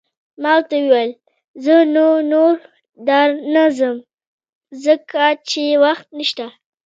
ما ورته وویل: زه نو، نور در نه ځم، ځکه چې وخت نشته.